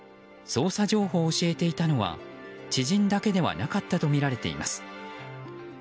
捜査情報を教えていたのは知人だけではなかったとみられています。